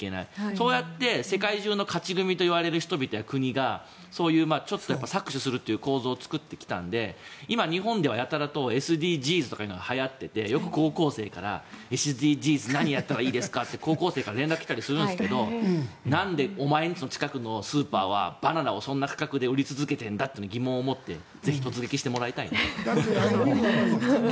そうやって世界中の勝ち組といわれる人々や国が搾取するという構造を作ってきたので今、日本ではやたらとＳＤＧｓとかがはやってよく高校生とかからＳＤＧｓって何やったらいいですかって高校生から連絡が来たりしたりするんですけどなんでお前んちの近くのスーパーはバナナをそんな価格で売り続けているんだという疑問を持ってぜひ、突撃していただきたい。